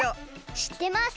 しってます！